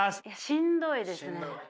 しんどいですね。